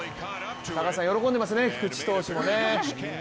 高橋さん、喜んでますね、菊池投手もね。